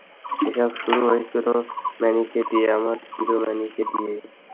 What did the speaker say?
এসব শুরু হয়েছিল ম্যানিকে দিয়ে, আমার প্রিয় ম্যানিকে দিয়ে।